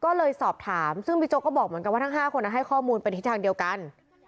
ก็เลยสอบถามซึ่งบิ๊กโจ๊ก็บอกเหมือนกันว่าทั้ง๕คนให้ข้อมูลเป็นทิศทางเดียวกัน